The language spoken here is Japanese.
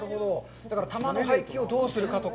だから、玉の配球をどうするかとか、